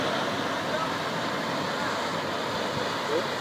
ھين جائين بيمار پڙي گيو